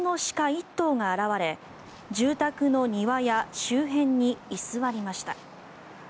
１頭が現れ住宅の庭や周辺に居座りました。